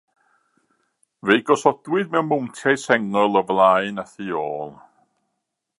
Fe'u gosodwyd mewn mowntiau sengl o flaen a thu ôl.